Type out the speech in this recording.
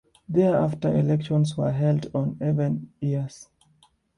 Thereafter elections were held on even years.